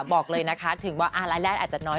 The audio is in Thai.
บอกเลยนะคะถึงว่ารายแรกอาจจะน้อย